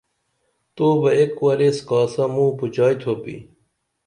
تو بہ ایک وریس کاسہ موں پُوچائی تُھوپی